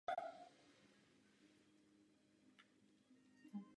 Jeho role při spiknutí je opět značně nejasná.